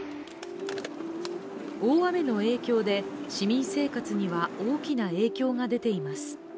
大雨の影響で市民生活には大きな影響が出ています。